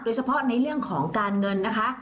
เฉพาะในเรื่องของการเงินนะคะ